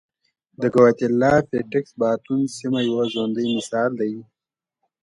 د ګواتیلا پټېکس باټون سیمه یو ژوندی مثال دی.